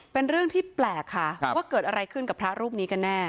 เป็นเรื่องที่แปลกค่ะว่าเกิดอะไรขึ้นกับพระรูปนี้กันแน่